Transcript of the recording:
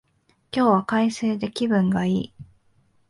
今日は快晴で気分がいい